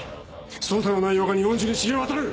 捜査の内容が日本中に知れ渡る！